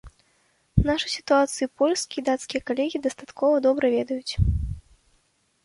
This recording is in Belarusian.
Нашу сітуацыю і польскія, і дацкія калегі дастаткова добра ведаюць.